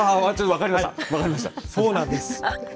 そうなんです。